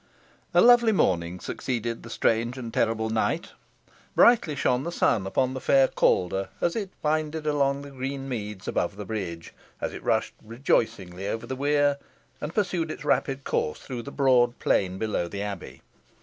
A lovely morning succeeded the strange and terrible night. Brightly shone the sun upon the fair Calder as it winded along the green meads above the bridge, as it rushed rejoicingly over the weir, and pursued its rapid course through the broad plain below the Abbey.